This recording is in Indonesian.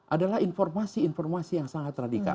adalah informasi informasi yang sangat radikal